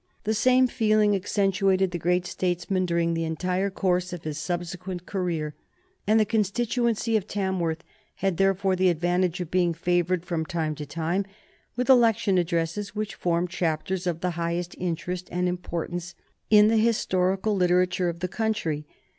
The same feeling actuated the great statesman during the entire course of his subsequent career, and the constituency of Tamworth had therefore the advantage of being favored from time to time with election addresses which form chapters of the highest interest and importance in the historical literature of the country.